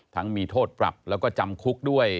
มีโทษปรับแล้วก็จำคุกด้วย